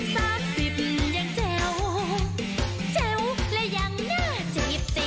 สักสิบยังเจ๋วเจ๋วและยังน่าจีบจีบจีบจีบ